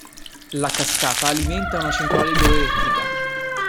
La cascata alimenta una centrale idroelettrica.